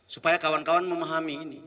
supaya kawan kawan memahami